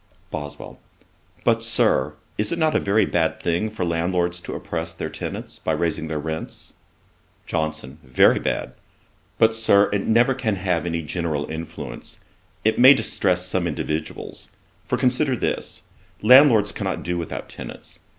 BOSWELL. 'But, Sir, is it not a very bad thing for landlords to oppress their tenants, by raising their rents?' JOHNSON. 'Very bad. But, Sir, it never can have any general influence; it may distress some individuals. For, consider this: landlords cannot do without tenants.